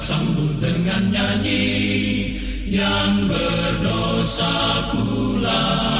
sambut dengan nyanyi yang berdosa pula